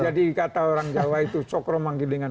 iya jadi kata orang jawa itu cokro manggilingan